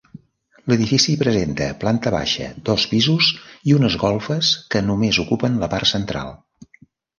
L'edifici presenta planta baixa, dos pisos i unes golfes que només ocupen la part central.